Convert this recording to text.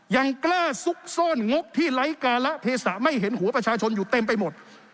ยังกล้าซุกซ่อนงบที่ไร้การะเทศะไม่เห็นหัวประชาชนอยู่เต็มไปหมด